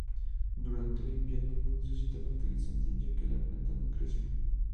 Durante el invierno, no necesita fertilizante, ya que la planta no crece.